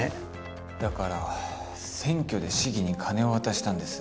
だから選挙で市議に金を渡したんです。